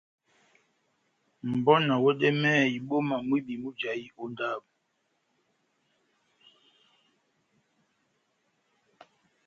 Mʼbɔ na wɛdɛmɛhɛ ibɔ́ma mwibi mujahi ó ndábo.